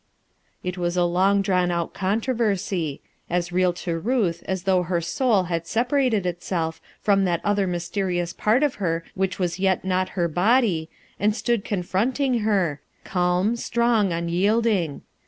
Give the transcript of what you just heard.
It was a long drawn out controversy; as real to Ruth as though her soul had separated itself from that other mysterious part of her which was yet not her body, and stood con fronting her, calm, strong, unyielding.